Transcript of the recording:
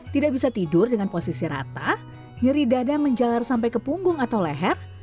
tidak bisa tidur dengan posisi rata nyeri dada menjalar sampai ke punggung atau leher